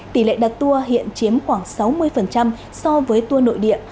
tỷ lệ đặt tour hiện chiếm khoảng sáu mươi so với tour nội địa